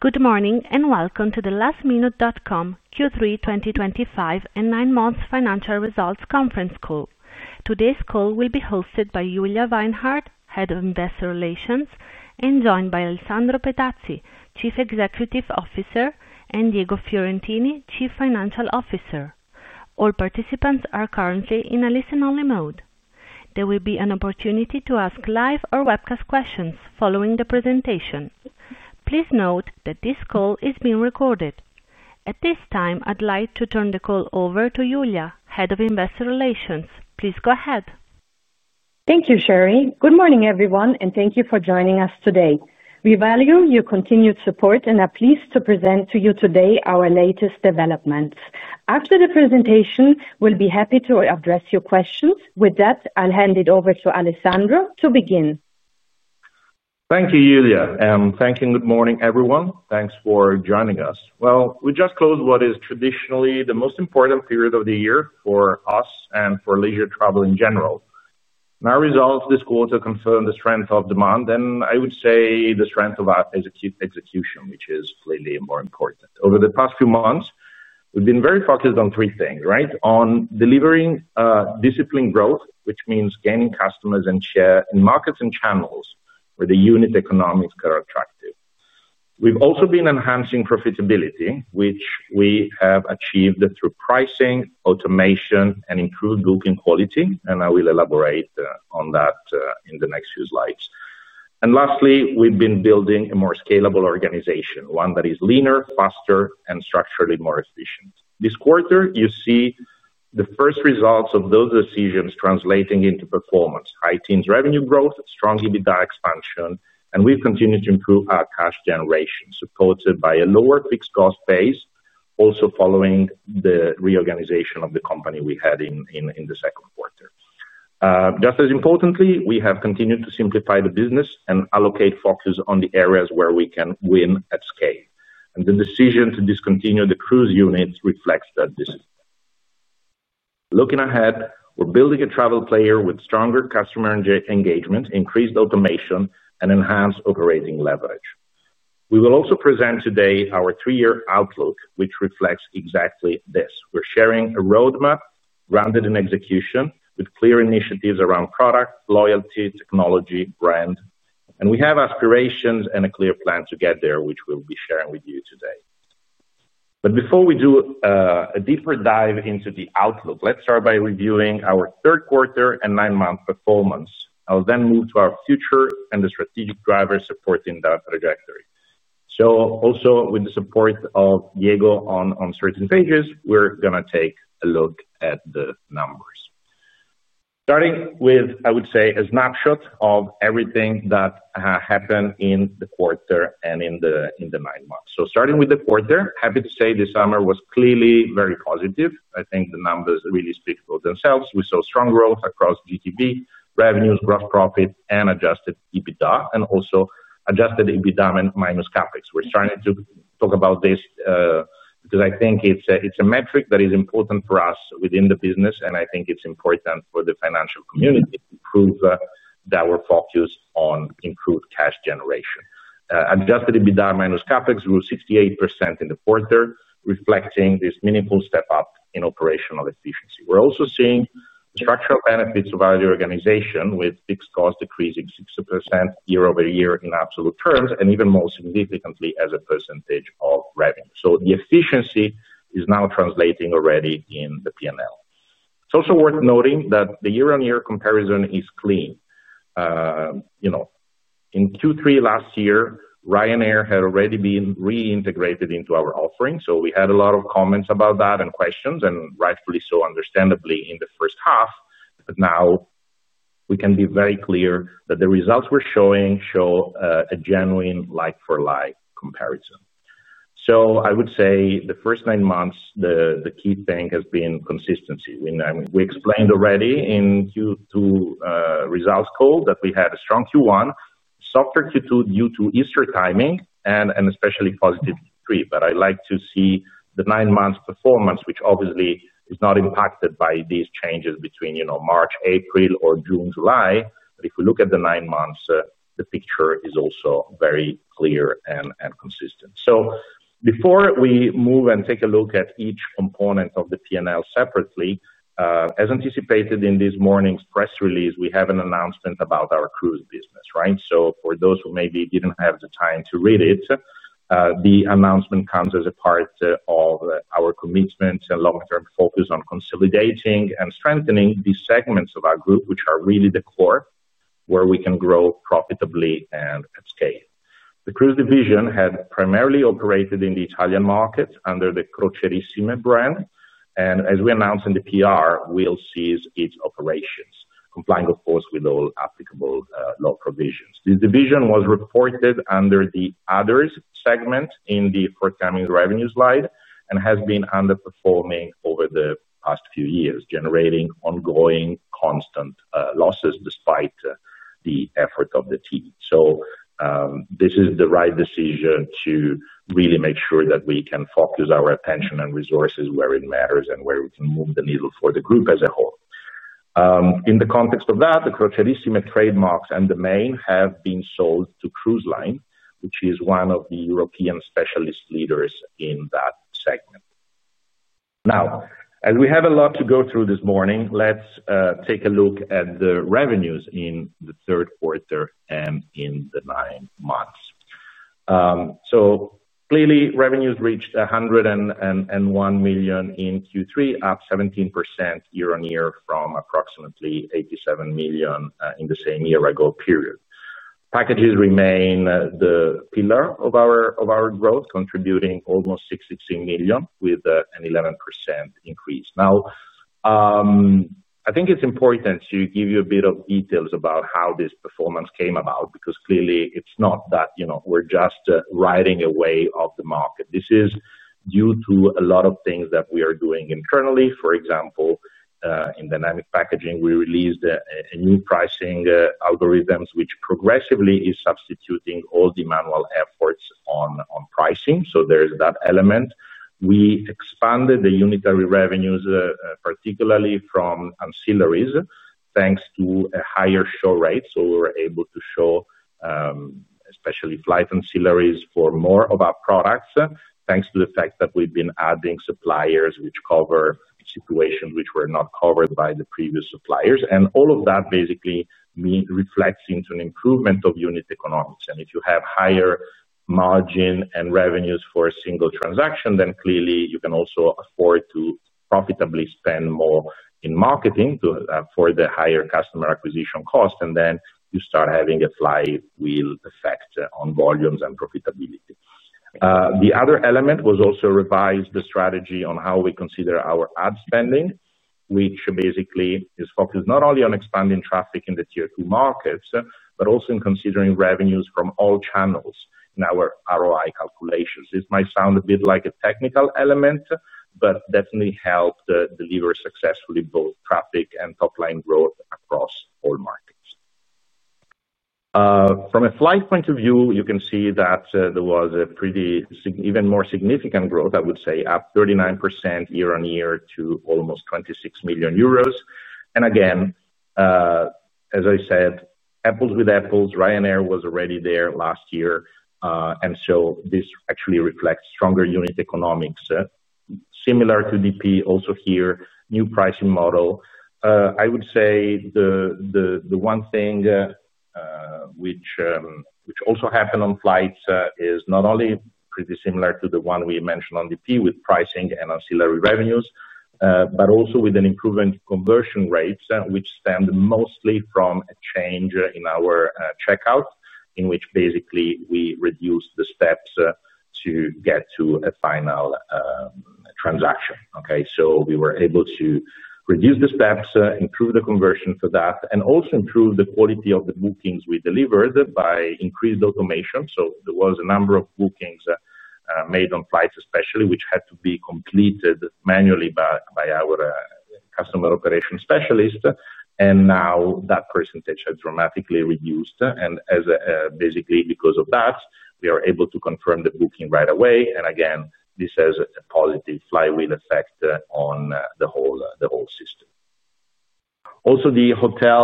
Good morning and welcome to the lastminute.com Q3 2025 and 9-month financial results conference call. Today's call will be hosted by Julia Weinhart, Head of Investor Relations, and joined by Alessandro Petazzi, Chief Executive Officer, and Diego Fiorentini, Chief Financial Officer. All participants are currently in a listen-only mode. There will be an opportunity to ask live or webcast questions following the presentation. Please note that this call is being recorded. At this time, I'd like to turn the call over to Julia, Head of Investor Relations. Please go ahead. Thank you, Sherry. Good morning, everyone, and thank you for joining us today. We value your continued support and are pleased to present to you today our latest developments. After the presentation, we'll be happy to address your questions. With that, I'll hand it over to Alessandro to begin. Thank you, Julia. Thank you, and good morning, everyone. Thanks for joining us. We just closed what is traditionally the most important period of the year for us and for leisure travel in general. Our results this quarter confirmed the strength of demand, and I would say the strength of execution, which is clearly more important. Over the past few months, we've been very focused on three things, right? On delivering disciplined growth, which means gaining customers and share in markets and channels where the unit economics are attractive. We've also been enhancing profitability, which we have achieved through pricing, automation, and improved booking quality, and I will elaborate on that in the next few slides. Lastly, we've been building a more scalable organization, one that is leaner, faster, and structurally more efficient. This quarter, you see the first results of those decisions translating into performance: high teams Revenue growth, strong EBITDA expansion, and we've continued to improve our cash generation, supported by a lower fixed cost base, also following the reorganization of the company we had in the second quarter. Just as importantly, we have continued to simplify the business and allocate focus on the areas where we can win at scale. The decision to discontinue the Cruise units reflects that decision. Looking ahead, we're building a travel player with stronger customer engagement, increased automation, and enhanced operating leverage. We will also present today our three-year outlook, which reflects exactly this. We're sharing a roadmap grounded in execution with clear initiatives around product, loyalty, technology, brand, and we have aspirations and a clear plan to get there, which we'll be sharing with you today. Before we do a deeper dive into the outlook, let's start by reviewing our third quarter and nine-month performance. I'll then move to our future and the strategic drivers supporting that trajectory. Also, with the support of Diego on certain stages, we're going to take a look at the numbers. Starting with, I would say, a snapshot of everything that happened in the quarter and in the nine months. Starting with the quarter, happy to say this summer was clearly very positive. I think the numbers really speak for themselves. We saw strong growth across GTV, Revenues, Gross Profit, and Adjusted EBITDA, and also Adjusted EBITDA minus CapEx. We're starting to talk about this because I think it's a metric that is important for us within the business, and I think it's important for the financial community to prove that we're focused on improved cash generation. Adjusted EBITDA minus CapEx grew 68% in the quarter, reflecting this meaningful step up in operational efficiency. We're also seeing structural benefits of our organization with fixed costs decreasing 6% year-over-year in absolute terms, and even more significantly as a percentage of Revenue. The efficiency is now translating already in the P&L. It's also worth noting that the year-on-year comparison is clean. In Q3 last year, Ryanair had already been reintegrated into our offering. We had a lot of comments about that and questions, and rightfully so, understandably, in the first half. Now we can be very clear that the results we're showing show a genuine like-for-like comparison. I would say the first nine months, the key thing has been consistency. We explained already in Q2 results call that we had a strong Q1, softer Q2 due to Easter timing, and especially positive Q3. I'd like to see the nine-month performance, which obviously is not impacted by these changes between March, April, or June, July. If we look at the nine months, the picture is also very clear and consistent. Before we move and take a look at each component of the P&L separately, as anticipated in this morning's Press Release, we have an announcement about our Cruise business, right? For those who maybe didn't have the time to read it, the announcement comes as a part of our commitment and long-term focus on consolidating and strengthening these segments of our Group, which are really the core where we can grow profitably and at scale. The Cruise division had primarily operated in the Italian market under the Crocierissime brand. As we announced in the PR, we'll cease its operations, complying, of course, with all applicable law provisions. This division was reported under the others segment in the forthcoming Revenue slide and has been underperforming over the past few years, generating ongoing constant losses despite the effort of the team. This is the right decision to really make sure that we can focus our attention and resources where it matters and where we can move the needle for the Group as a whole. In the context of that, the Crocierissime trademarks and domain have been sold to Cruise Line, which is one of the European specialist leaders in that segment. Now, as we have a lot to go through this morning, let's take a look at the Revenues in the third quarter and in the nine months. Clearly, Revenues reached 101 million in Q3, up 17% year on year from approximately 87 million in the same year-ago period. Packages remain the pillar of our growth, contributing almost 66 million with an 11% increase. Now, I think it's important to give you a bit of details about how this performance came about because clearly, it's not that we're just riding away from the market. This is due to a lot of things that we are doing internally. For example, in Dynamic Packaging, we released a new pricing algorithm which progressively is substituting all the manual efforts on pricing. There's that element. We expanded the unitary Revenues, particularly from ancillaries, thanks to a higher show rate. We were able to show especially Flight ancillaries for more of our products, thanks to the fact that we've been adding suppliers which cover situations which were not covered by the previous suppliers. All of that basically reflects into an improvement of unit economics. If you have higher margin and Revenues for a single transaction, then clearly, you can also afford to profitably spend more in marketing for the higher customer acquisition cost. You start having a flywheel effect on volumes and profitability. The other element was also to revise the strategy on how we consider our ad spending, which basically is focused not only on expanding traffic in the tier two markets, but also in considering Revenues from all channels in our ROI calculations. This might sound a bit like a technical element, but definitely helped deliver successfully both traffic and top-line growth across all markets. From a Flight point of view, you can see that there was a pretty even more significant growth, I would say, up 39% year on year to almost 26 million euros. Again. As I said, apples with apples, Ryanair was already there last year. This actually reflects stronger unit economics. Similar to DP, also here, new pricing model. I would say the one thing which also happened on Flights is not only pretty similar to the one we mentioned on DP with pricing and ancillary Revenues, but also with an improvement in conversion rates, which stemmed mostly from a change in our checkout, in which basically we reduced the steps to get to a final transaction. Okay? We were able to reduce the steps, improve the conversion for that, and also improve the quality of the bookings we delivered by increased automation. There was a number of bookings made on Flights, especially, which had to be completed manually by our customer operations specialist. Now that percentage has dramatically reduced. Basically because of that, we are able to confirm the booking right away. Again, this has a positive flywheel effect on the whole system. Also, the Hotel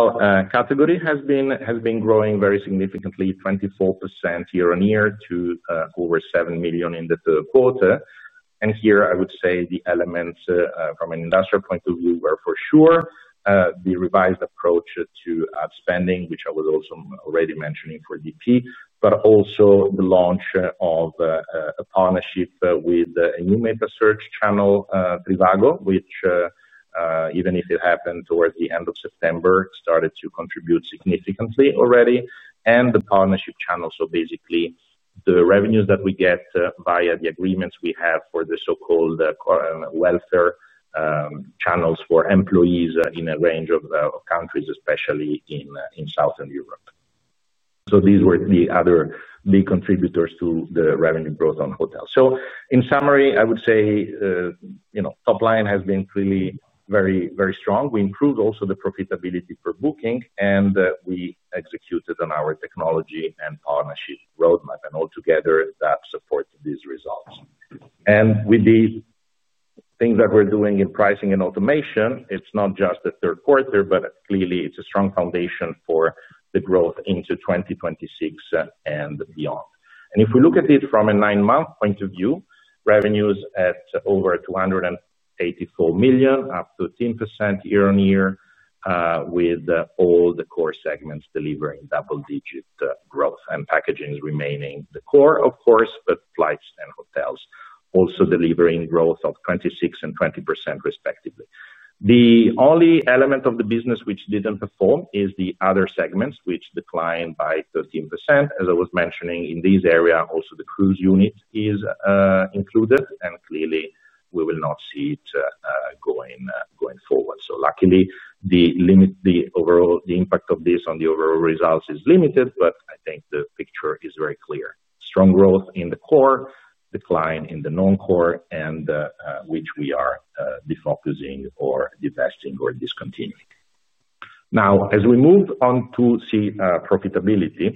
category has been growing very significantly, 24% year on year to over 7 million in the third quarter. Here, I would say the elements from an industrial point of view were for sure the revised approach to ad spending, which I was also already mentioning for DP, but also the launch of a partnership with a new mega search channel, Trivago, which, even if it happened towards the end of September, started to contribute significantly already. The partnership channel, so basically the Revenues that we get via the agreements we have for the so-called welfare channels for employees in a range of countries, especially in Southern Europe. These were the other big contributors to the Revenue growth on Hotels. In summary, I would say the top line has been clearly very strong. We improved also the profitability for booking, and we executed on our technology and partnership roadmap, and altogether, that supported these results. With the things that we're doing in pricing and automation, it's not just the third quarter, but clearly, it's a strong foundation for the growth into 2026 and beyond. If we look at it from a nine-month point of view, Revenues at over 284 million, up 13% year on year, with all the core segments delivering double-digit growth. Packaging is remaining the core, of course, but Flights and Hotels also delivering growth of 26% and 20%, respectively. The only element of the business which didn't perform is the other segments, which declined by 13%. As I was mentioning, in this area, also the Cruise unit is included, and clearly, we will not see it going forward. Luckily, the overall impact of this on the overall results is limited, but I think the picture is very clear. Strong growth in the core, decline in the non-core, which we are defocusing or divesting or discontinuing. Now, as we move on to see profitability,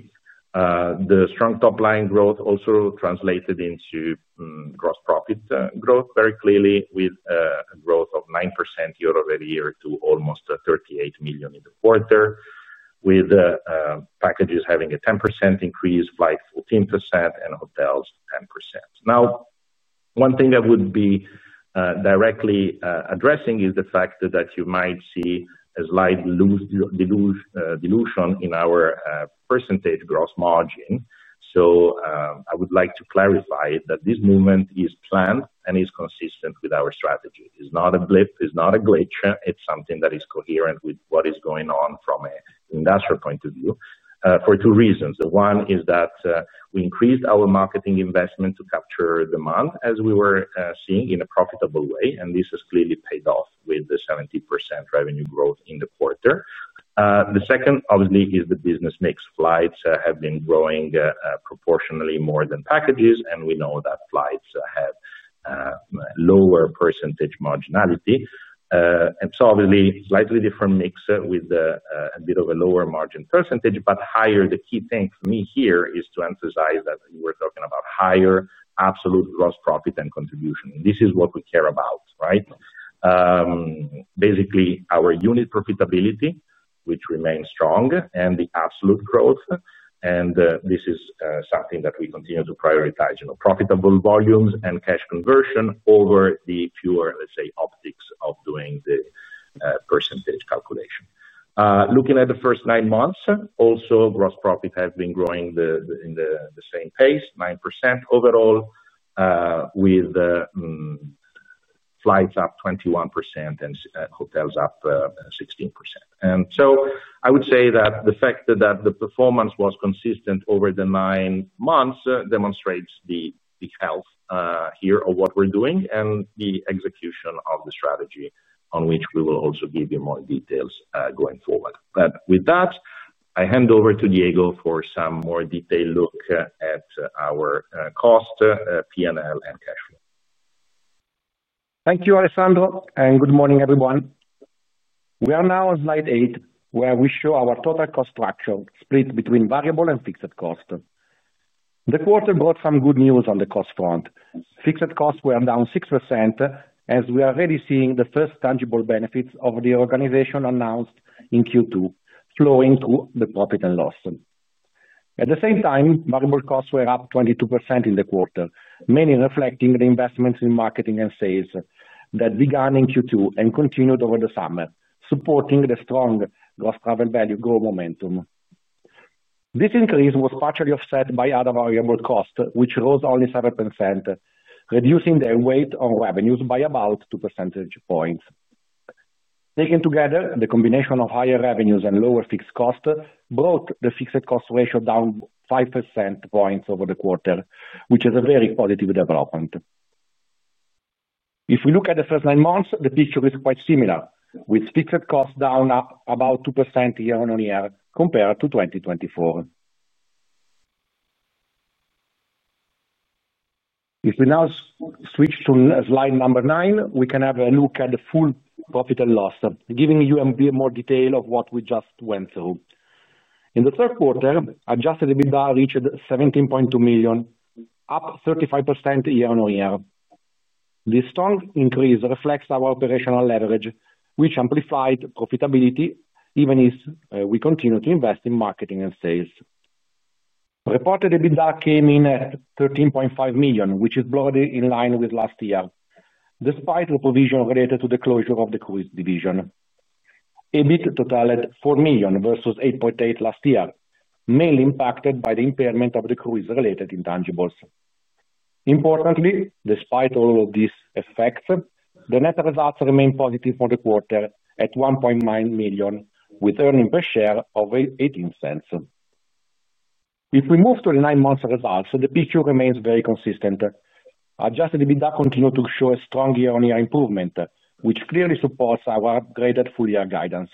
the strong top-line growth also translated into Gross Profit growth very clearly with a growth of 9% year-over-year to almost 38 million in the quarter, with Packages having a 10% increase, Flights 14%, and Hotels 10%. Now, one thing that would be directly addressing is the fact that you might see a slight dilution in our percentage gross margin. I would like to clarify that this movement is planned and is consistent with our strategy. It's not a blip, it's not a glitch, it's something that is coherent with what is going on from an industrial point of view for two reasons. The one is that we increased our marketing investment to capture demand, as we were seeing, in a profitable way. This has clearly paid off with the 70% Revenue growth in the quarter. The second, obviously, is the business mix. Flights have been growing proportionally more than Packages, and we know that Flights have lower percentage marginality. Obviously, slightly different mix with a bit of a lower margin percentage, but higher. The key thing for me here is to emphasize that we're talking about higher absolute Gross Profit and contribution. This is what we care about, right? Basically, our unit profitability, which remains strong, and the absolute growth. This is something that we continue to prioritize: profitable volumes and cash conversion over the pure, let's say, optics of doing the percentage calculation. Looking at the first nine months, also Gross Profit has been growing in the same pace, 9% overall, with Flights up 21% and Hotels up 16%. I would say that the fact that the performance was consistent over the nine months demonstrates the health here of what we're doing and the execution of the strategy on which we will also give you more details going forward. With that, I hand over to Diego for some more detailed look at our cost, P&L, and cash flow. Thank you, Alessandro, and good morning, everyone. We are now on slide eight, where we show our total cost structure split between variable and fixed cost. The quarter brought some good news on the cost front. Fixed costs were down 6%, as we are already seeing the first tangible benefits of the organization announced in Q2, flowing through the profit and loss. At the same time, variable costs were up 22% in the quarter, mainly reflecting the investments in marketing and sales that began in Q2 and continued over the summer, supporting the strong gross travel value growth momentum. This increase was partially offset by other variable costs, which rose only 7%, reducing their weight on Revenues by about 2% points. Taken together, the combination of higher Revenues and lower fixed costs brought the fixed cost ratio down 5% points over the quarter, which is a very positive development. If we look at the first nine months, the picture is quite similar, with fixed costs down about 2% year on year compared to 2024. If we now switch to slide number nine, we can have a look at the full profit and loss, giving you a bit more detail of what we just went through. In the third quarter, Adjusted EBITDA reached 17.2 million, up 35% year on year. The strong increase reflects our operational leverage, which amplified profitability, even if we continue to invest in marketing and sales. Reported EBITDA came in at 13.5 million, which is broadly in line with last year, despite the provision related to the closure of the Cruise division. EBIT totaled 4 million versus 8.8 million last year, mainly impacted by the impairment of the Cruise-related intangibles. Importantly, despite all of these effects, the Net Results remain positive for the quarter at 1.9 million, with earnings per share of 0.18. If we move to the nine-month results, the picture remains very consistent. Adjusted EBITDA continued to show a strong year-on-year improvement, which clearly supports our upgraded full-year guidance.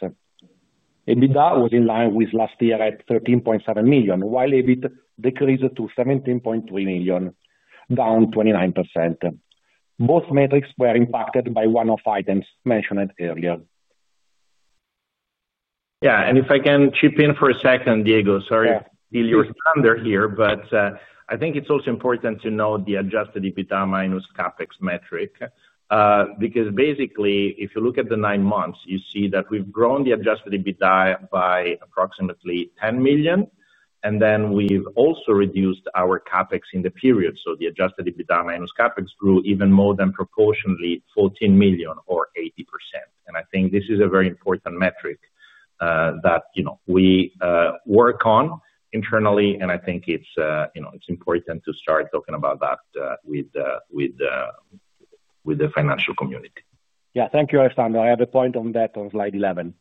EBITDA was in line with last year at 13.7 million, while EBIT decreased to 17.3 million, down 29%. Both metrics were impacted by one of the items mentioned earlier. Yeah, and if I can chip in for a second, Diego, sorry to steal your thunder here, but I think it's also important to note the Adjusted EBITDA minus CapEx metric. Because basically, if you look at the nine months, you see that we've grown the Adjusted EBITDA by approximately 10 million, and then we've also reduced our CapEx in the period. So the Adjusted EBITDA minus CapEx grew even more than proportionally, 14 million or 80%. I think this is a very important metric. That we work on internally, and I think it's important to start talking about that with the financial community. Yeah, thank you, Alessandro. I have a point on that on slide 11.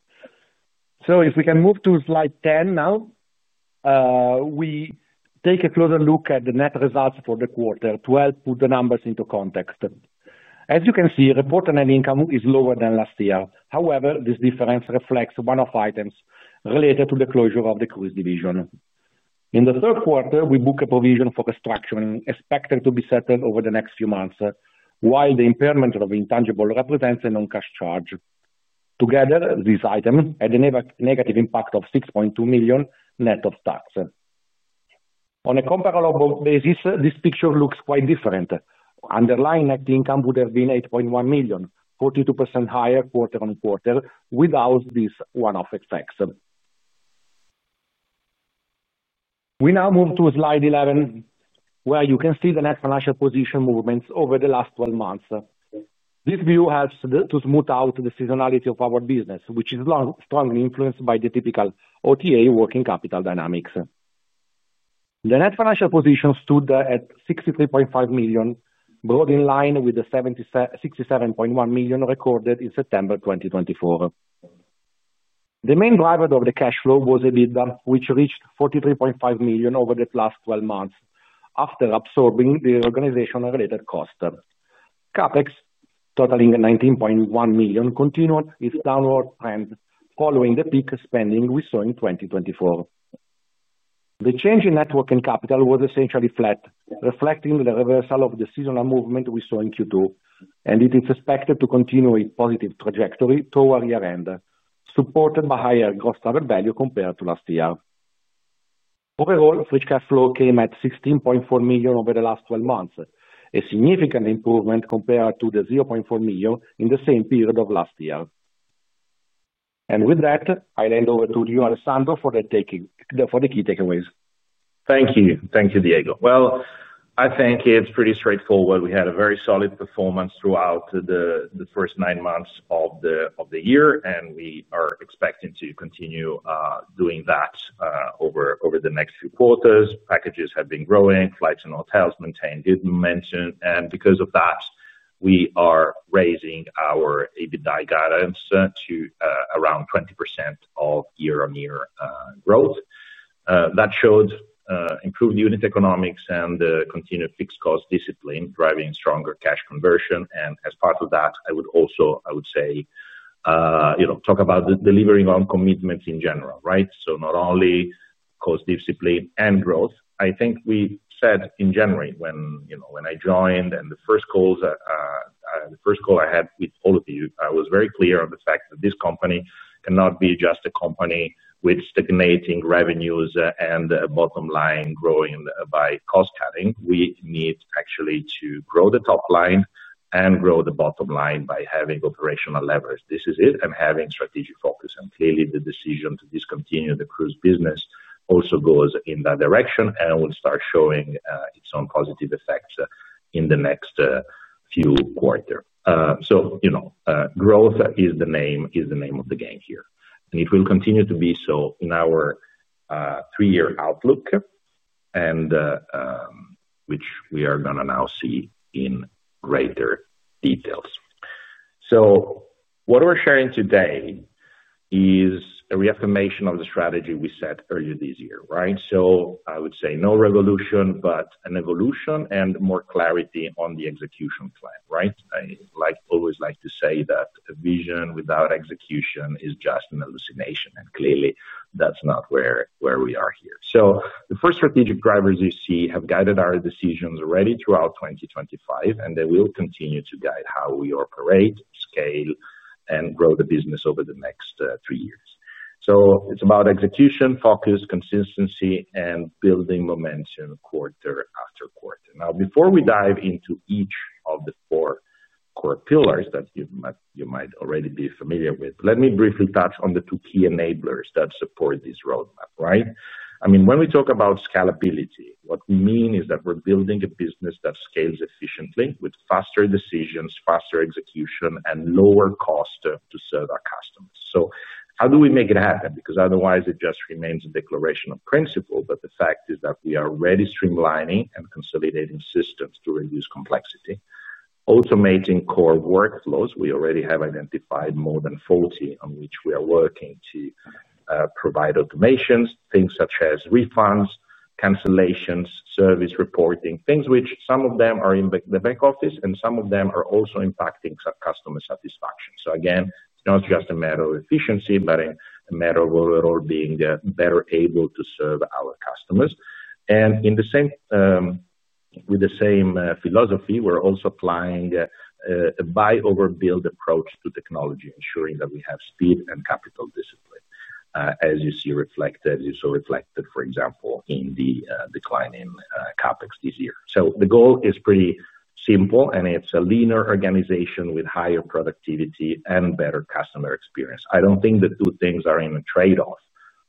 If we can move to slide 10 now. We take a closer look at the Net Results for the quarter to help put the numbers into context. As you can see, reported net income is lower than last year. However, this difference reflects one of the items related to the closure of the Cruise division. In the third quarter, we booked a provision for restructuring expected to be settled over the next few months, while the impairment of intangible represents a non-cash charge. Together, this item had a negative impact of 6.2 million net of tax. On a comparable basis, this picture looks quite different. Underlying net income would have been 8.1 million, 42% higher quarter on quarter without this one-off effect. We now move to slide 11, where you can see the Net Financial Position movements over the last 12 months. This view helps to smooth out the seasonality of our business, which is strongly influenced by the typical OTA working capital Dynamics. The Net Financial Position stood at 63.5 million, broadly in line with the 67.1 million recorded in September 2024. The main driver of the cash flow was EBITDA, which reached 43.5 million over the last 12 months after absorbing the organization-related cost. CapEx, totaling 19.1 million, continued its downward trend following the peak spending we saw in 2024. The change in Net Working Capital was essentially flat, reflecting the reversal of the seasonal movement we saw in Q2, and it is expected to continue its positive trajectory toward year-end, supported by higher gross travel value compared to last year. Overall, Free Cash Flow came at 16.4 million over the last 12 months, a significant improvement compared to the 0.4 million in the same period of last year. With that, I'll hand over to you, Alessandro, for the key takeaways. Thank you. Thank you, Diego. I think it's pretty straightforward. We had a very solid performance throughout the first nine months of the year, and we are expecting to continue doing that over the next few quarters. Packages have been growing, Flights and Hotels maintained good momentum. Because of that, we are raising our EBITDA guidance to around 20% of year-on-year growth. That showed improved unit economics and continued fixed cost discipline, driving stronger cash conversion. As part of that, I would also, I would say, talk about delivering on commitments in general, right? Not only cost discipline and growth. I think we said in January when I joined and the first call I had with all of you, I was very clear on the fact that this company cannot be just a company with stagnating Revenues and bottom line growing by cost cutting. We need actually to grow the top line and grow the bottom line by having operational leverage. This is it, and having strategic focus. Clearly, the decision to discontinue the Cruise business also goes in that direction and will start showing its own positive effects in the next few quarters. Growth is the name of the game here, and it will continue to be so in our three-year outlook, which we are going to now see in greater details. What we're sharing today is a reaffirmation of the strategy we set earlier this year, right? I would say no revolution, but an evolution and more clarity on the execution plan, right? I always like to say that a vision without execution is just an hallucination, and clearly, that's not where we are here. The first strategic drivers you see have guided our decisions already throughout 2025, and they will continue to guide how we operate, scale, and grow the business over the next three years. It's about execution, focus, consistency, and building momentum quarter after quarter. Now, before we dive into each of the four core pillars that you might already be familiar with, let me briefly touch on the two key enablers that support this roadmap, right? I mean, when we talk about scalability, what we mean is that we're building a business that scales efficiently with faster decisions, faster execution, and lower cost to serve our customers. How do we make it happen? Because otherwise, it just remains a declaration of principle, but the fact is that we are already streamlining and consolidating systems to reduce complexity. Automating core workflows, we already have identified more than 40 on which we are working to provide automations, things such as refunds, cancellations, service reporting, things which some of them are in the back office, and some of them are also impacting customer satisfaction. Again, it's not just a matter of efficiency, but a matter of overall being better able to serve our customers. With the same philosophy, we're also applying a buy-over-build approach to technology, ensuring that we have speed and capital discipline, as you see reflected, as you saw reflected, for example, in the decline in CapEx this year. The goal is pretty simple, and it's a leaner organization with higher productivity and better customer experience. I don't think the two things are in a trade-off.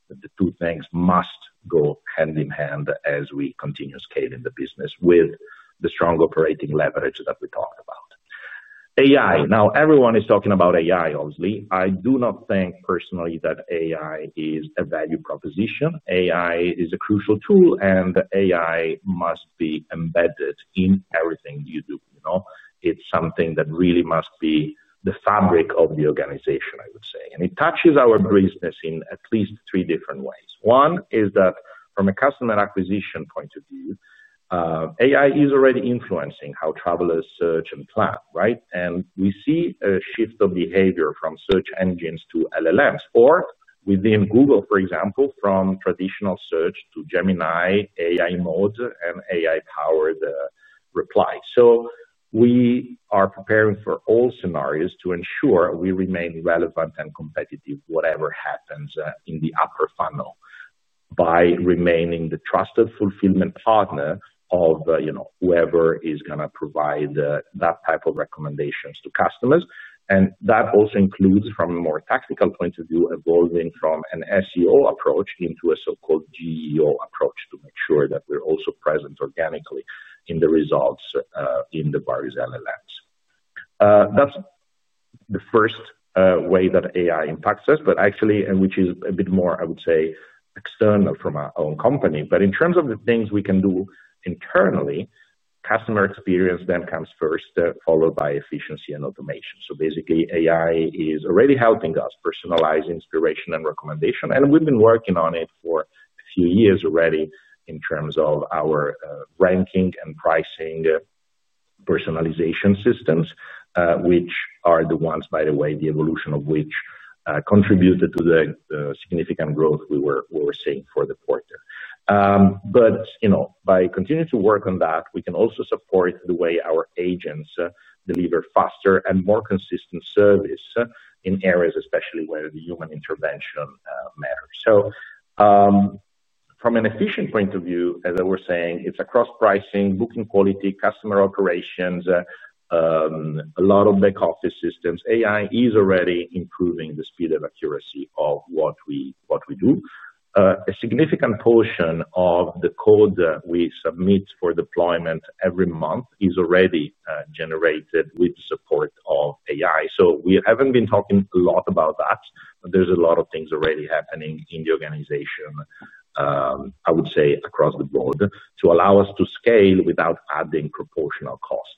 The two things must go hand in hand as we continue scaling the business with the strong operating leverage that we talked about. AI. Now, everyone is talking about AI, obviously. I do not think personally that AI is a value proposition. AI is a crucial tool, and AI must be embedded in everything you do. It's something that really must be the fabric of the organization, I would say. It touches our business in at least three different ways. One is that from a customer acquisition point of view. AI is already influencing how travelers search and plan, right? We see a shift of behavior from search engines to LLMs, or within Google, for example, from traditional search to Gemini, AI mode, and AI-powered reply. We are preparing for all scenarios to ensure we remain relevant and competitive whatever happens in the upper funnel by remaining the trusted fulfillment partner of whoever is going to provide that type of recommendations to customers. That also includes, from a more tactical point of view, evolving from an SEO approach into a so-called GEO approach to make sure that we're also present organically in the results in the various LLMs. That's the first way that AI impacts us, which is a bit more, I would say, external from our own company. In terms of the things we can do internally, customer experience then comes first, followed by efficiency and automation. AI is already helping us personalize inspiration and recommendation. We've been working on it for a few years already in terms of our ranking and pricing. Personalization systems, which are the ones, by the way, the evolution of which contributed to the significant growth we were seeing for the quarter. By continuing to work on that, we can also support the way our agents deliver faster and more consistent service in areas, especially where the human intervention matters. From an efficient point of view, as I was saying, it's across pricing, booking quality, customer operations. A lot of back-office systems. AI is already improving the speed of accuracy of what we do. A significant portion of the code we submit for deployment every month is already generated with the support of AI. We have not been talking a lot about that, but there are a lot of things already happening in the organization. I would say, across the board, to allow us to scale without adding proportional cost.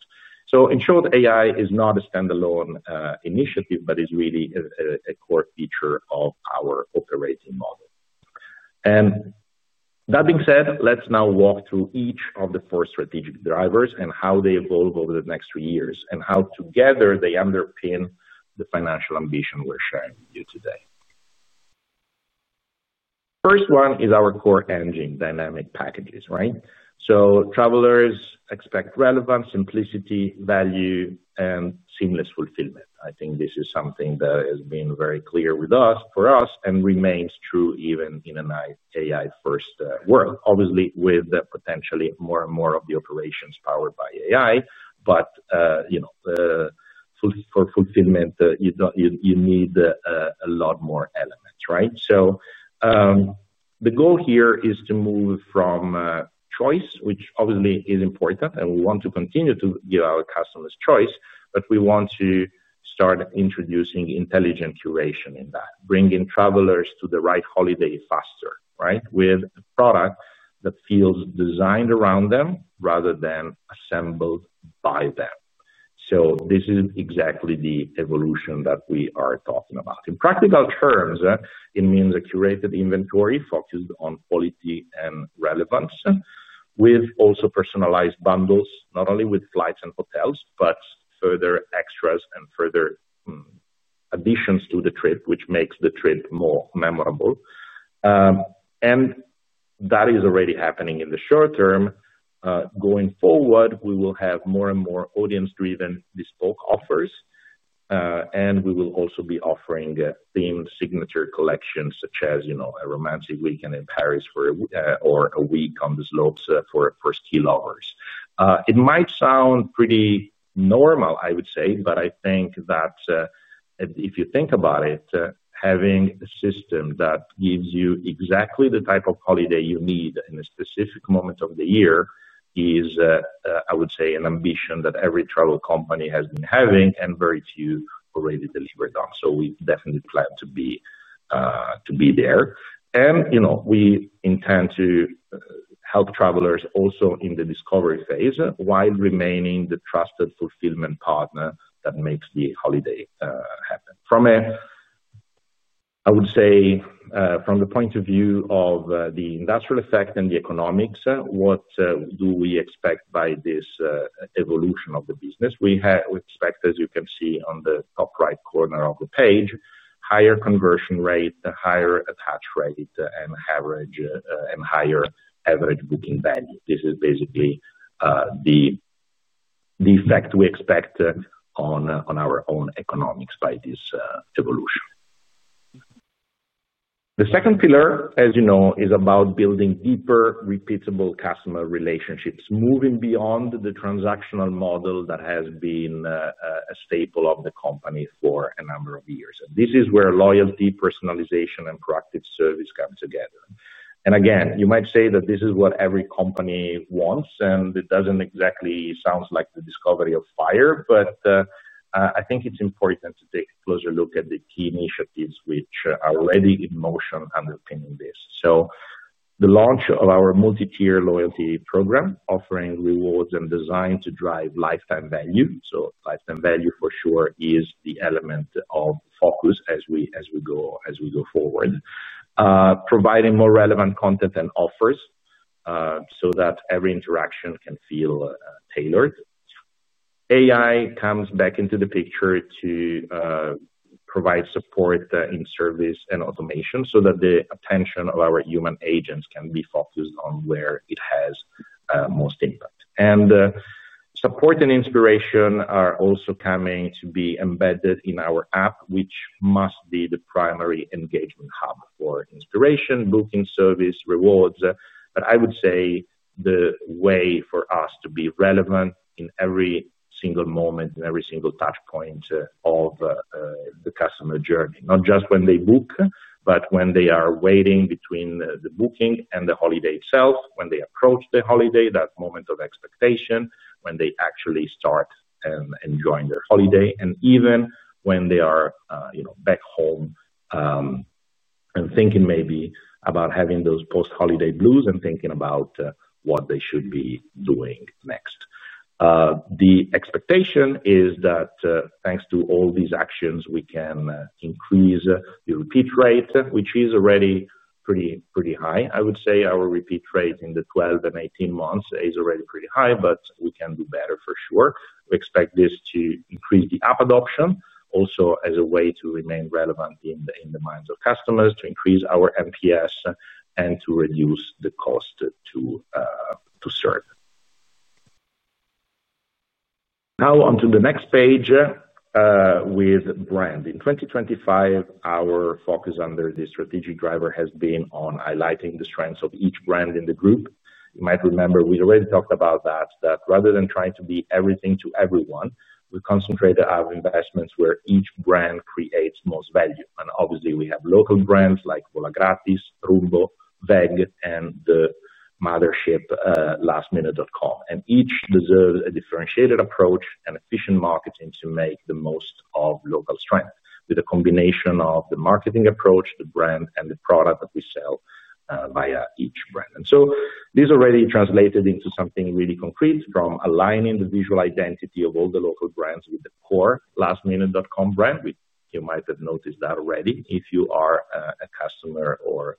In short, AI is not a standalone initiative, but is really a core feature of our operating model. That being said, let's now walk through each of the four strategic drivers and how they evolve over the next three years and how together they underpin the financial ambition we are sharing with you today. The first one is our core engine, Dynamic Packages, right? Travelers expect relevance, simplicity, value, and seamless fulfillment. I think this is something that has been very clear for us and remains true even in an AI-first world, obviously, with potentially more and more of the operations powered by AI. For fulfillment, you need a lot more elements, right? The goal here is to move from choice, which obviously is important, and we want to continue to give our customers choice, but we want to start introducing intelligent curation in that, bringing travelers to the right holiday faster, right, with a product that feels designed around them rather than assembled by them. This is exactly the evolution that we are talking about. In practical terms, it means a curated inventory focused on quality and relevance, with also personalized bundles, not only with Flights and Hotels, but further extras and further additions to the trip, which makes the trip more memorable. That is already happening in the short term. Going forward, we will have more and more audience-driven bespoke offers. We will also be offering themed signature collections such as a romantic weekend in Paris or a week on the slopes for ski lovers. It might sound pretty normal, I would say, but I think that if you think about it, having a system that gives you exactly the type of holiday you need in a specific moment of the year is, I would say, an ambition that every travel company has been having and very few already delivered on. We definitely plan to be there. We intend to help travelers also in the discovery phase while remaining the trusted fulfillment partner that makes the holiday happen. From the point of view of the industrial effect and the economics, what do we expect by this evolution of the business? We expect, as you can see on the top right corner of the page, higher conversion rate, a higher attach rate, and higher average booking value. This is basically the effect we expect on our own economics by this evolution. The second pillar, as you know, is about building deeper, repeatable customer relationships, moving beyond the transactional model that has been a staple of the company for a number of years. This is where loyalty, personalization, and proactive service come together. You might say that this is what every company wants, and it does not exactly sound like the discovery of fire. I think it is important to take a closer look at the key initiatives which are already in motion underpinning this. The launch of our multi-tier loyalty program, offering rewards and designed to drive lifetime value. Lifetime value, for sure, is the element of focus as we go forward. Providing more relevant content and offers, so that every interaction can feel tailored. AI comes back into the picture to provide support in service and automation so that the attention of our human agents can be focused on where it has most impact. Support and inspiration are also coming to be embedded in our app, which must be the primary engagement hub for inspiration, booking, service, rewards. I would say the way for us to be relevant in every single moment, in every single touchpoint of the customer journey, not just when they book, but when they are waiting between the booking and the holiday itself, when they approach the holiday, that moment of expectation, when they actually start enjoying their holiday, and even when they are back home and thinking maybe about having those post-holiday blues and thinking about what they should be doing next. The expectation is that thanks to all these actions, we can increase the repeat rate, which is already pretty high. I would say our repeat rate in the 12 and 18 months is already pretty high, but we can do better, for sure. We expect this to increase the app adoption, also as a way to remain relevant in the minds of customers, to increase our NPS, and to reduce the cost to serve. Now onto the next page. With brand. In 2025, our focus under the strategic driver has been on highlighting the strengths of each brand in the Group. You might remember we already talked about that, that rather than trying to be everything to everyone, we concentrate our investments where each brand creates most value. Obviously, we have Local Brands like Volagratis, Rumbo, VEG.DE, and the mothership lastminute.com. Each deserves a differentiated approach and efficient marketing to make the most of local strength with a combination of the marketing approach, the brand, and the product that we sell via each brand. This already translated into something really concrete from aligning the visual identity of all the local brands with the core lastminute.com brand, which you might have noticed already if you are a customer or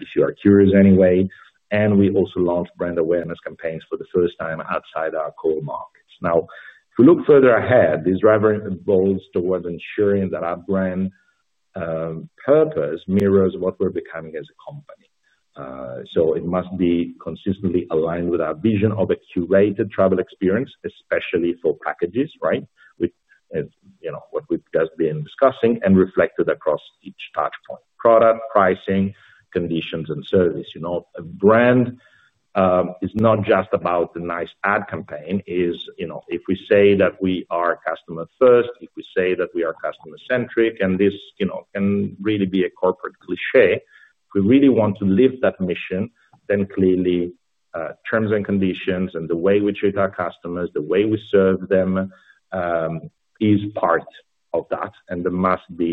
if you are curious anyway. We also launched brand awareness campaigns for the first time outside our core markets. If we look further ahead, this driver evolves towards ensuring that our Brand Purpose mirrors what we are becoming as a company. It must be consistently aligned with our vision of a curated travel experience, especially for Packages, right? What we have just been discussing and reflected across each touchpoint: product, pricing, conditions, and service. A brand is not just about the nice ad campaign. If we say that we are customer-first, if we say that we are customer-centric, and this can really be a corporate cliché, if we really want to live that mission, then clearly terms and conditions and the way we treat our customers, the way we serve them, is part of that, and there must be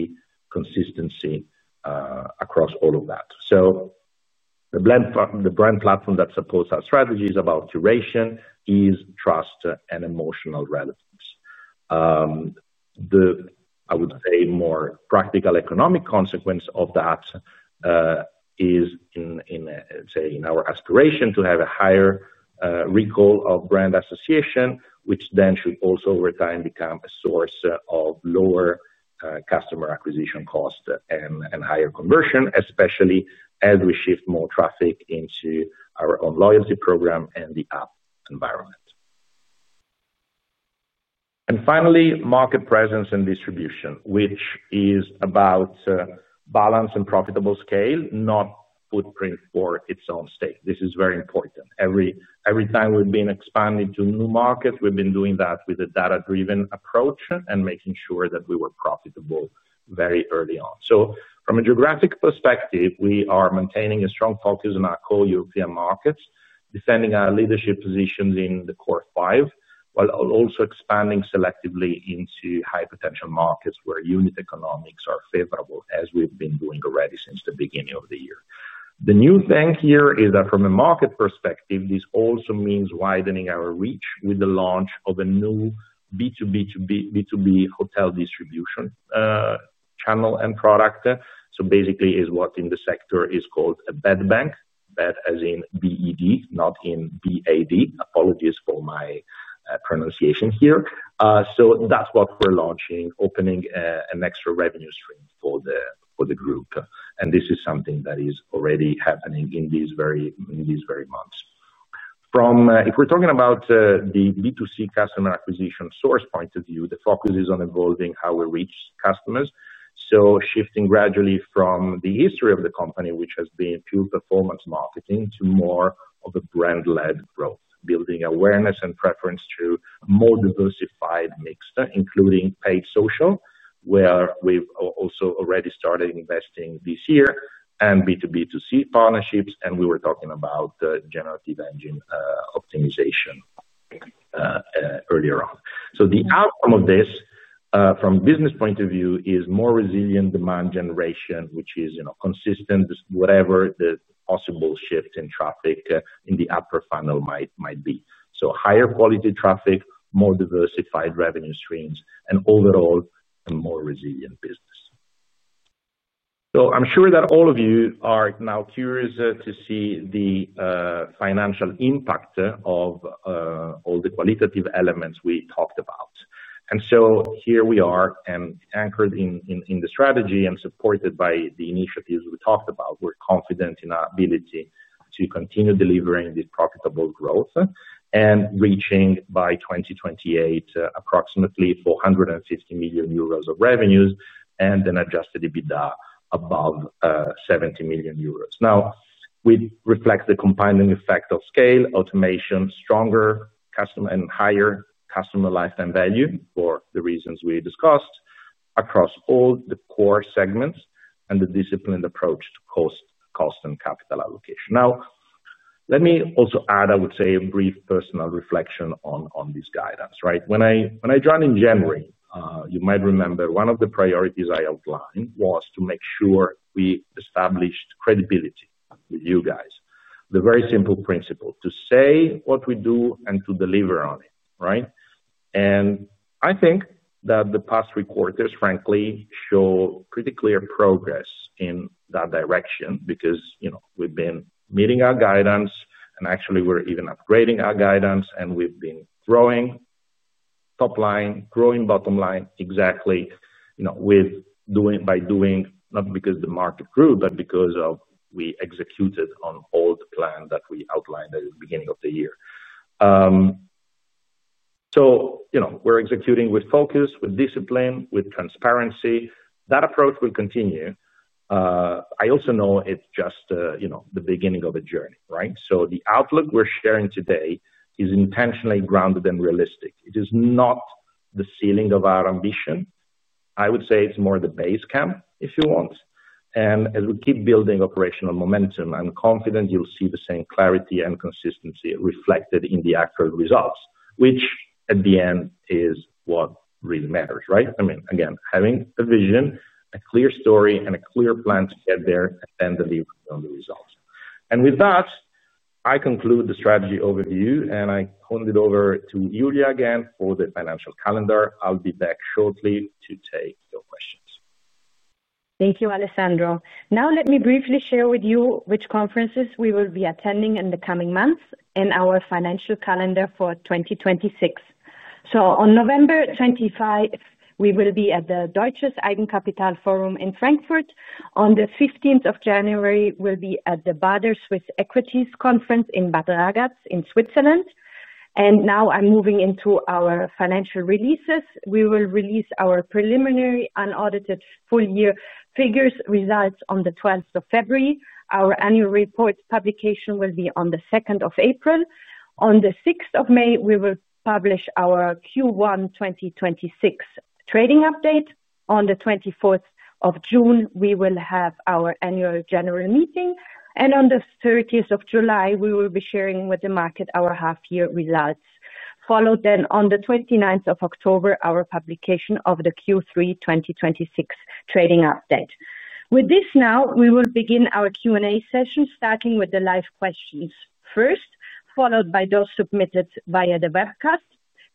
consistency across all of that. The brand platform that supports our strategy is about curation, ease, trust, and emotional relevance. The, I would say, more practical economic consequence of that is, let's say, in our aspiration to have a higher recall of brand association, which then should also over time become a source of lower customer acquisition cost and higher conversion, especially as we shift more traffic into our own loyalty program and the app environment. Finally, market presence and distribution, which is about balance and profitable scale, not footprint for its own state. This is very important. Every time we've been expanding to new markets, we've been doing that with a data-driven approach and making sure that we were profitable very early on. From a geographic perspective, we are maintaining a strong focus on our core European markets, defending our leadership positions in the core five, while also expanding selectively into high-potential markets where unit economics are favorable, as we've been doing already since the beginning of the year. The new thing here is that from a market perspective, this also means widening our reach with the launch of a new B2B Hotel distribution channel and product. Basically, it's what in the sector is called a bed bank, bed as in B-E-D, not in B-A-D. Apologies for my pronunciation here. That's what we're launching, opening an extra Revenue stream for the Group. This is something that is already happening in these very months. If we're talking about the B2C customer acquisition source point of view, the focus is on evolving how we reach customers. Shifting gradually from the history of the company, which has been pure performance marketing, to more of a brand-led growth, building awareness and preference to a more diversified mix, including paid social, where we've also already started investing this year, and B2B2C partnerships, and we were talking about generative engine optimization earlier on. The outcome of this, from a business point of view, is more resilient demand generation, which is consistent, whatever the possible shift in traffic in the upper funnel might be. Higher quality traffic, more diversified Revenue streams, and overall, a more resilient business. I'm sure that all of you are now curious to see the financial impact of all the qualitative elements we talked about. Here we are, anchored in the strategy and supported by the initiatives we talked about, we're confident in our ability to continue delivering this profitable growth and reaching by 2028 approximately 450 million euros of Revenues and an Adjusted EBITDA above 70 million euros. We reflect the compounding effect of scale, automation, stronger customer and higher customer lifetime value for the reasons we discussed across all the core segments and the disciplined approach to cost and capital allocation. Let me also add, I would say, a brief personal reflection on this guidance, right? When I joined in January, you might remember one of the priorities I outlined was to make sure we established credibility with you guys. The very simple principle to say what we do and to deliver on it, right? I think that the past three quarters, frankly, show pretty clear progress in that direction because we've been meeting our guidance, and actually, we're even upgrading our guidance, and we've been growing. Top line, growing bottom line, exactly. By doing, not because the market grew, but because we executed on all the plans that we outlined at the beginning of the year. We're executing with focus, with discipline, with transparency. That approach will continue. I also know it's just the beginning of a journey, right? The outlook we're sharing today is intentionally grounded and realistic. It is not the ceiling of our ambition. I would say it's more the base camp, if you want. As we keep building operational momentum, I'm confident you'll see the same clarity and consistency reflected in the actual results, which at the end is what really matters, right? I mean, again, having a vision, a clear story, and a clear plan to get there and then the results. With that, I conclude the strategy overview, and I hand it over to Julia again for the Financial calendar. I'll be back shortly to take your questions. Thank you, Alessandro. Now, let me briefly share with you which conferences we will be attending in the coming months in our Financial Calendar for 2026. On November 25, we will be at the Deutsches Eigenkapitalforum in Frankfurt. On the 15th of January, we'll be at the Baader Swiss Equities Conference in Bad Ragaz in Switzerland. Now I'm moving into our Financial Releases. We will release our preliminary unaudited full-year figures results on the 12th of February. Our Annual Report publication will be on the 2nd of April. On the 6th of May, we will publish our Q1 2026 trading update. On the 24th of June, we will have our Annual General Meeting. On the 30th of July, we will be sharing with the market our half-year results. Followed then on the 29th of October, our publication of the Q3 2026 trading update. With this now, we will begin our Q&A session, starting with the live questions first, followed by those submitted via the webcast.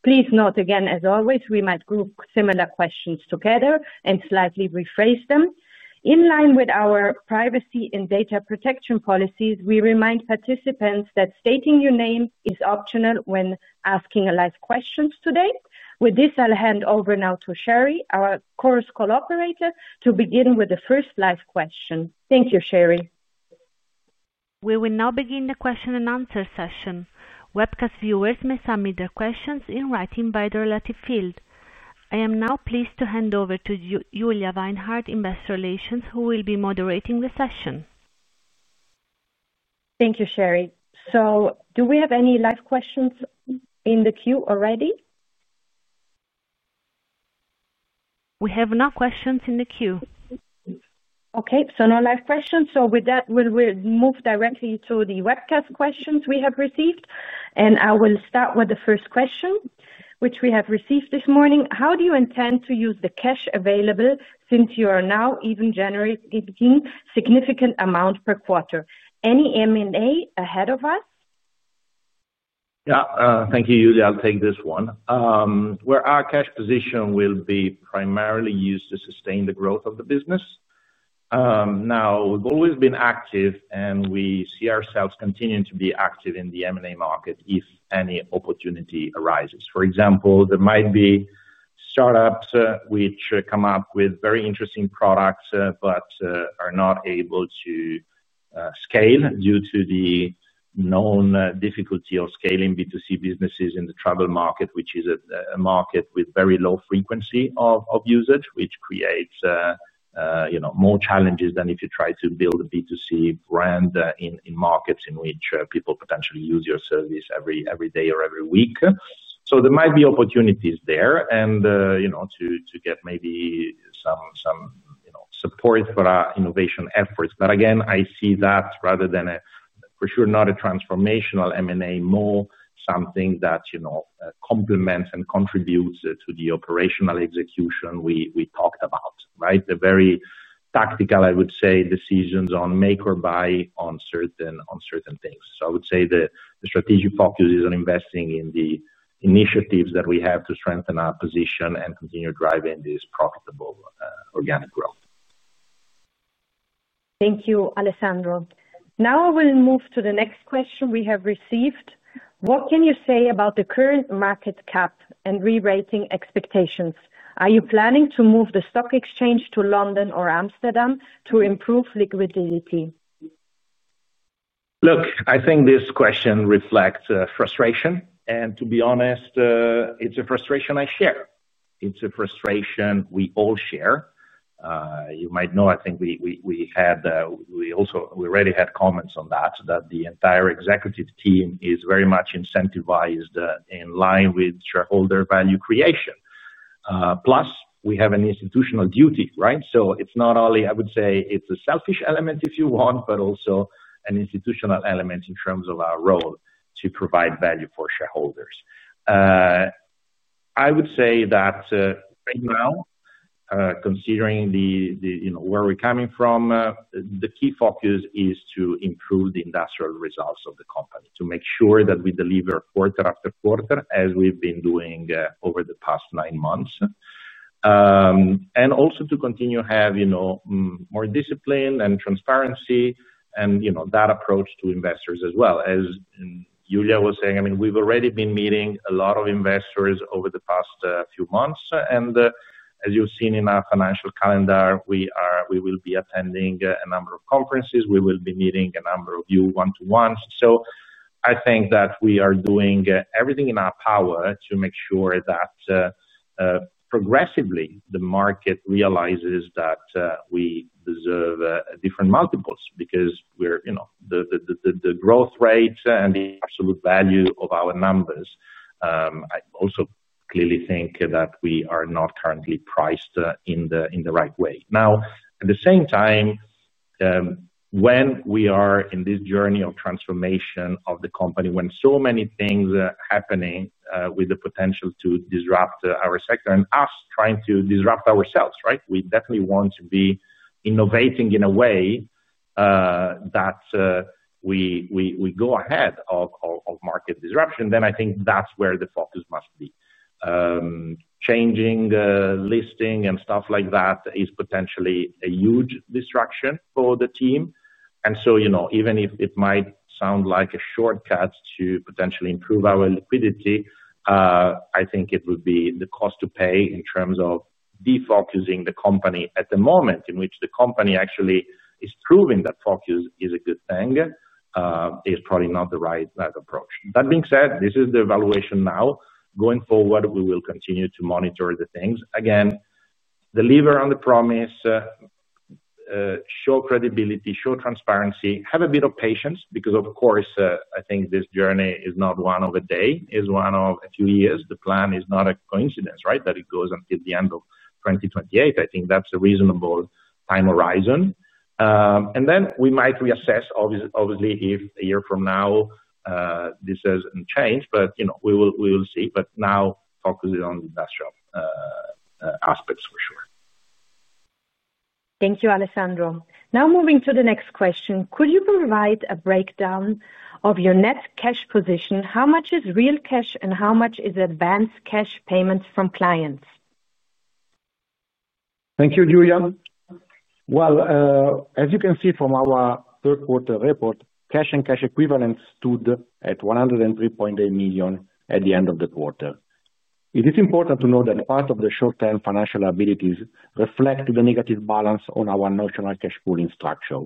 Please note again, as always, we might group similar questions together and slightly rephrase them. In line with our privacy and data protection policies, we remind participants that stating your name is optional when asking live questions today. With this, I'll hand over now to Sherry, our conference call operator, to begin with the first live question. Thank you, Sherry. We will now begin the question and answer session. Webcast viewers may submit their questions in writing by the relevant field. I am now pleased to hand over to Julia Weinhart, Investor Relations, who will be moderating the session. Thank you, Sherry. Do we have any live questions in the queue already? We have no questions in the queue. Okay, no live questions. With that, we'll move directly to the webcast questions we have received. I will start with the first question, which we have received this morning. How do you intend to use the cash available since you are now even generating a significant amount per quarter? Any M&A ahead of us? Yeah, thank you, Julia. I'll take this one. Where our cash position will be primarily used to sustain the growth of the business. Now, we've always been active, and we see ourselves continuing to be active in the M&A market if any opportunity arises. For example, there might be startups which come up with very interesting products but are not able to scale due to the known difficulty of scaling B2C businesses in the travel market, which is a market with very low frequency of usage, which creates more challenges than if you try to build a B2C brand in markets in which people potentially use your service every day or every week. There might be opportunities there to get maybe some support for our innovation efforts. Again, I see that rather than a, for sure, not a transformational M&A, more something that complements and contributes to the operational execution we talked about, right? The very tactical, I would say, decisions on make or buy on certain things. I would say the strategic focus is on investing in the initiatives that we have to strengthen our position and continue driving this profitable organic growth. Thank you, Alessandro. Now I will move to the next question we have received. What can you say about the current market cap and re-rating expectations? Are you planning to move the stock exchange to London or Amsterdam to improve liquidity? Look, I think this question reflects frustration. To be honest, it's a frustration I share. It's a frustration we all share. You might know, I think we had. We already had comments on that, that the entire executive team is very much incentivized in line with shareholder value creation. Plus, we have an institutional duty, right? It's not only, I would say, a selfish element, if you want, but also an institutional element in terms of our role to provide value for shareholders. I would say that right now, considering where we're coming from, the key focus is to improve the industrial results of the company, to make sure that we deliver quarter after quarter, as we've been doing over the past nine months, and also to continue to have more discipline and transparency in that approach to investors as well. As Julia was saying, I mean, we've already been meeting a lot of investors over the past few months, and as you've seen in our Financial Calendar, we will be attending a number of conferences. We will be meeting a number of you one-to-one. I think that we are doing everything in our power to make sure that. Progressively the market realizes that we deserve different multiples because the growth rate and the absolute value of our numbers. I also clearly think that we are not currently priced in the right way. Now, at the same time, when we are in this journey of transformation of the company, when so many things are happening with the potential to disrupt our sector and us trying to disrupt ourselves, right? We definitely want to be innovating in a way that we go ahead of market disruption. I think that's where the focus must be. Changing listing and stuff like that is potentially a huge disruption for the team, and even if it might sound like a shortcut to potentially improve our liquidity. I think it would be the cost to pay in terms of defocusing the company at the moment in which the company actually is proving that focus is a good thing. Is probably not the right approach. That being said, this is the evaluation now. Going forward, we will continue to monitor the things. Again, deliver on the promise. Show credibility, show transparency, have a bit of patience because, of course, I think this journey is not one of a day, is one of a few years. The plan is not a coincidence, right? That it goes until the end of 2028. I think that's a reasonable time horizon. And then we might reassess, obviously, if a year from now. This hasn't changed, but we will see. But now focusing on industrial aspects for sure. Thank you, Alessandro. Now moving to the next question. Could you provide a breakdown of your net cash position? How much is real cash and how much is advance cash payments from clients? Thank you, Julia. As you can see from our third-quarter report, cash and cash equivalents stood at 103.8 million at the end of the quarter. It is important to note that part of the short-term financial abilities reflect the negative balance on our notional cash pooling structure.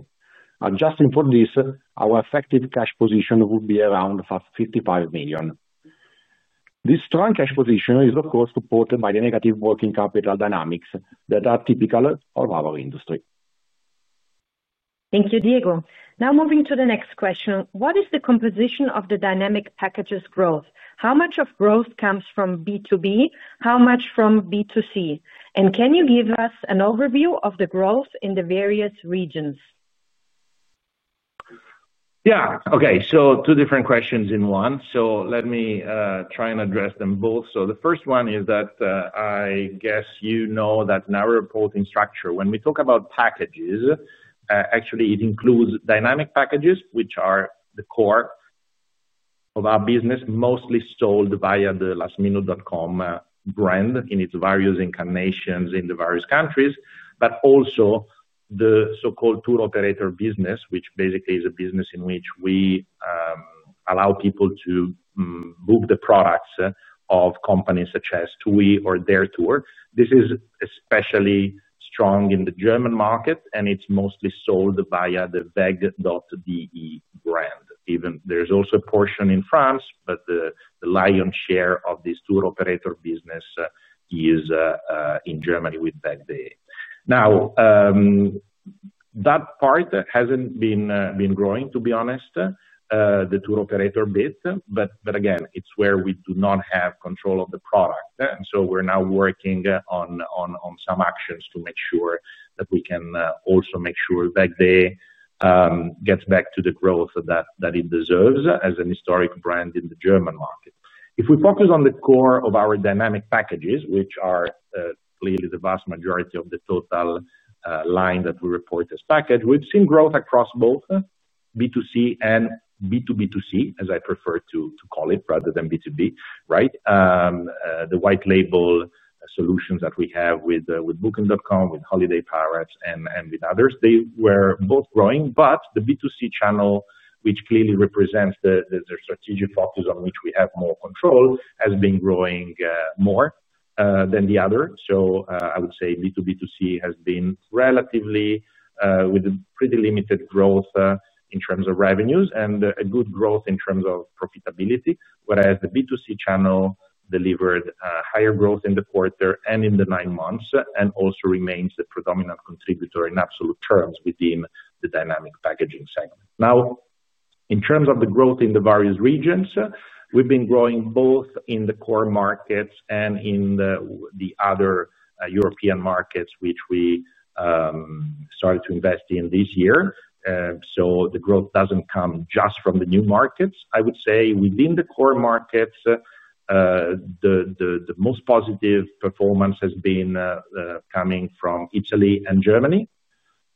Adjusting for this, our effective cash position would be around 55 million. This strong cash position is, of course, supported by the negative working capital Dynamics that are typical of our industry. Thank you, Diego. Now moving to the next question. What is the composition of the Dynamic Packages growth? How much of growth comes from B2B? How much from B2C? Can you give us an overview of the growth in the various regions? Yeah, okay. Two different questions in one. Let me try and address them both. The first one is that, I guess you know that narrow policy structure. When we talk about Packages, actually, it includes Dynamic Packages, which are the core of our business, mostly sold via the lastminute.com brand in its various incarnations in the various countries, but also the so-called tour operator business, which basically is a business in which we allow people to move the products of companies such as TUI or Dertour. This is especially strong in the German market, and it is mostly sold via the VEG.DE brand. There is also a portion in France, but the lion's share of this tour operator business is in Germany with VEG.DE. Now, that part has not been growing, to be honest, the tour operator bit. Again, it is where we do not have control of the product. We are now working on some actions to make sure that we can also make sure VEG.DE gets back to the growth that it deserves as a historic brand in the German market. If we focus on the core of our Dynamic Packages, which are clearly the vast majority of the total line that we report as Package, we have seen growth across both B2C and B2B2C, as I prefer to call it, rather than B2B, right? The white-label solutions that we have with Booking.com, with Holiday Pirates, and with others, they were both growing. The B2C channel, which clearly represents the strategic focus on which we have more control, has been growing more than the other. I would say B2B2C has been relatively. With pretty limited growth in terms of Revenues and a good growth in terms of profitability, whereas the B2C channel delivered higher growth in the quarter and in the nine months and also remains the predominant contributor in absolute terms within the Dynamic Packaging segment. Now, in terms of the growth in the various regions, we've been growing both in the core markets and in the other European markets, which we started to invest in this year. The growth doesn't come just from the new markets. I would say within the core markets the most positive performance has been coming from Italy and Germany.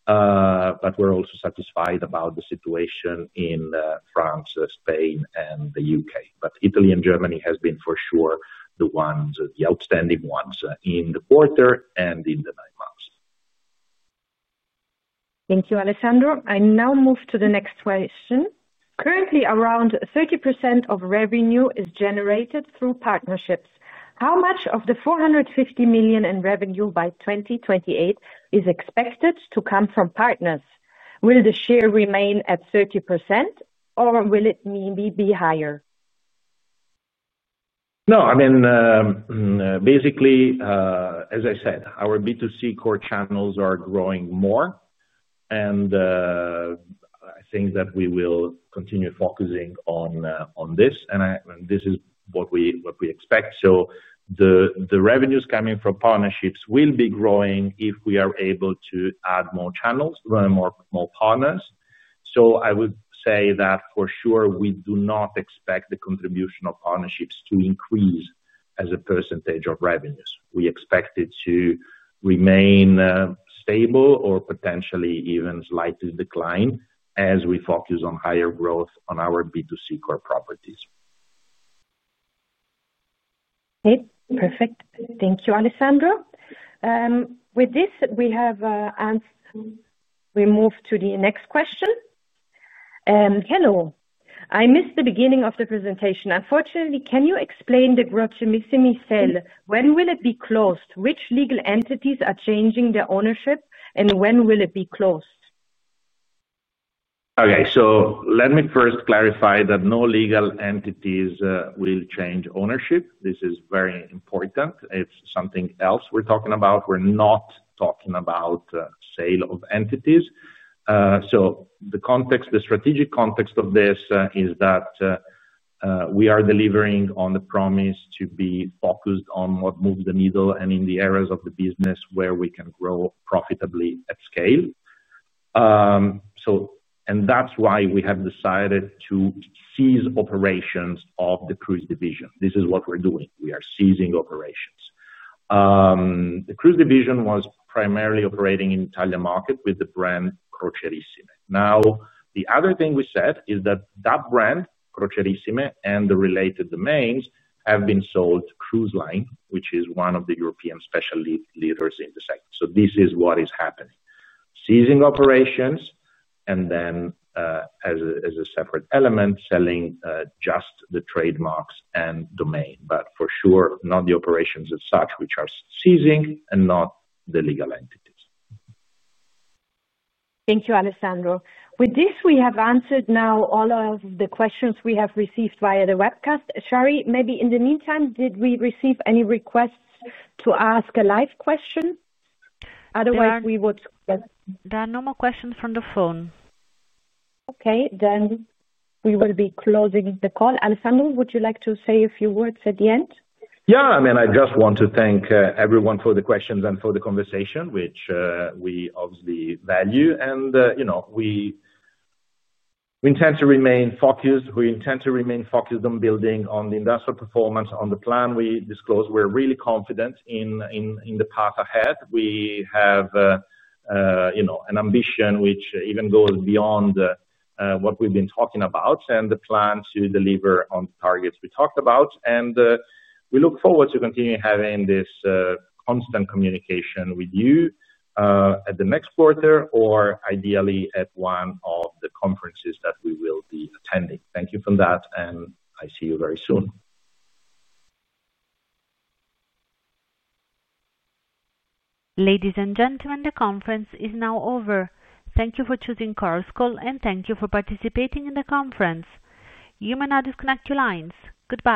We are also satisfied about the situation in France, Spain, and the U.K. Italy and Germany have been for sure the outstanding ones in the quarter and in the nine months. Thank you, Alessandro. I now move to the next question. Currently, around 30% of Revenue is generated through partnerships. How much of the 450 million in Revenue by 2028 is expected to come from partners? Will the share remain at 30%? Or will it maybe be higher? No, I mean. Basically, as I said, our B2C core channels are growing more. I think that we will continue focusing on this. This is what we expect. The Revenues coming from partnerships will be growing if we are able to add more channels, more partners. I would say that for sure we do not expect the contribution of partnerships to increase as a percentage of Revenues. We expect it to remain stable or potentially even slightly decline as we focus on higher growth on our B2C core properties. Okay, perfect. Thank you, Alessandro. With this, we have moved to the next question. Hello. I missed the beginning of the presentation. Unfortunately, can you explain the growth to Missy Missel? When will it be closed? Which legal entities are changing their ownership, and when will it be closed? Okay, let me first clarify that no legal entities will change ownership. This is very important. It's something else we're talking about. We're not talking about sale of entities. The strategic context of this is that we are delivering on the promise to be focused on what moves the needle and in the areas of the business where we can grow profitably at scale. That's why we have decided to cease operations of the Cruise division. This is what we're doing. We are ceasing operations. The Cruise division was primarily operating in the Italian market with the brand Crocierissime. Now, the other thing we said is that that brand, Crocierissime, and the related domains have been sold to CruiseLine, which is one of the European special leaders in the sector. So this is what is happening. Seizing operations, and then. As a separate element, selling just the trademarks and domain. But for sure, not the operations as such, which are seizing, and not the legal entities. Thank you, Alessandro. With this, we have answered now all of the questions we have received via the webcast. Sherry, maybe in the meantime, did we receive any requests to ask a live question? Otherwise, we would. There are no more questions from the phone. Okay, then we will be closing the call. Alessandro, would you like to say a few words at the end? Yeah, I mean, I just want to thank everyone for the questions and for the conversation, which we obviously value. We intend to remain focused. We intend to remain focused on building on the industrial performance, on the plan we disclosed. We're really confident in the path ahead. We have an ambition which even goes beyond what we've been talking about and the plan to deliver on targets we talked about. We look forward to continuing having this constant communication with you at the next quarter or ideally at one of the conferences that we will be attending. Thank you for that, and I see you very soon. Ladies and gentlemen, the conference is now over. Thank you for choosing Carlscore, and thank you for participating in the conference. You may now disconnect your lines. Goodbye.